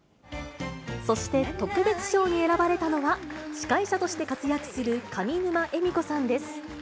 そして特別賞に選ばれたのは、司会者として活躍する上沼恵美子さんです。